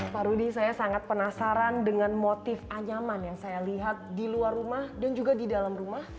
pak rudy saya sangat penasaran dengan motif anyaman yang saya lihat di luar rumah dan juga di dalam rumah